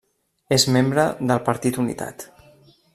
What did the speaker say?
És membre del partit Unitat.